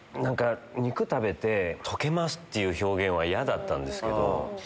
肉食べて溶けますって表現は嫌だったんですけど。